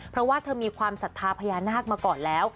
เพราะว่าเธอมีความศรัทธาพญานาคมาก่อนแล้ว